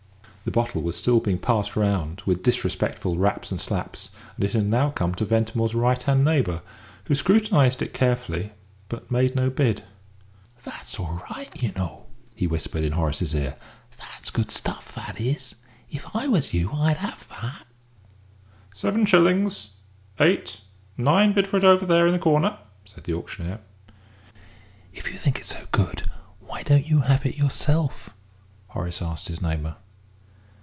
The bottle was still being passed round with disrespectful raps and slaps, and it had now come to Ventimore's right hand neighbour, who scrutinised it carefully, but made no bid. "That's all right, you know," he whispered in Horace's ear. "That's good stuff, that is. If I was you, I'd 'ave that." "Seven shillings eight nine bid for it over there in the corner," said the auctioneer. "If you think it's so good, why don't you have it yourself?" Horace asked his neighbour.